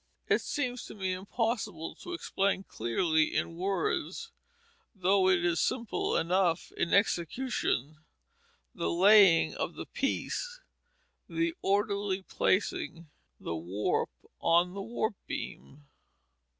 It seems to me impossible to explain clearly in words, though it is simple enough in execution, the laying of the piece, the orderly placing the warp on the warp beam.